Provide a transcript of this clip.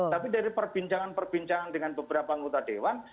tapi dari perbincangan perbincangan dengan beberapa anggota dewan